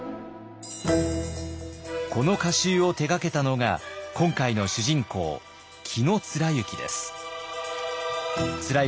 この歌集を手がけたのが今回の主人公紀貫之です。